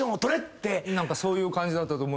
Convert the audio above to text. そういう感じだったと。